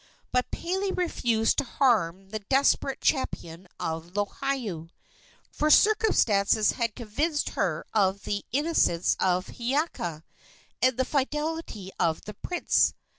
But Pele refused to harm the desperate champion of Lohiau, for circumstances had convinced her of the innocence of Hiiaka and the fidelity of the prince.